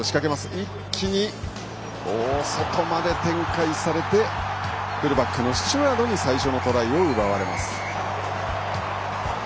一気に大外まで展開されてフルバックのスチュワードに最初のトライを奪われます。